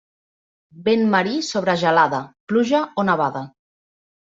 Vent marí sobre gelada, pluja o nevada.